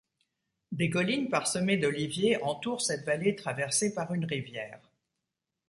Des collines parsemées d'oliviers entourent cette vallée traversée par une rivière.